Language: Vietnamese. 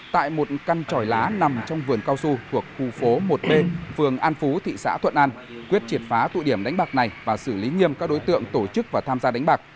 tại một căn tròi lá nằm trong vườn cao su thuộc khu phố một b phường an phú thị xã thuận an quyết triệt phá tụ điểm đánh bạc này và xử lý nghiêm các đối tượng tổ chức và tham gia đánh bạc